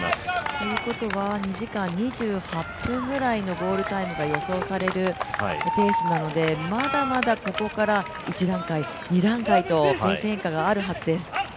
ということは２時間２８分ぐらいのゴールタイムが予想されるペースなので、まだまだここから１段階、２段階とペース変化があるはずです。